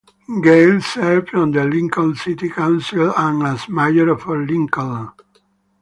Gayle served on the Lincoln City Council and as Mayor of Lincoln.